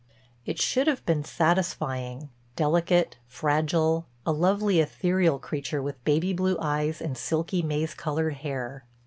It should have been satisfying, delicate, fragile, a lovely, ethereal creature, with baby blue eyes and silky, maize colored hair.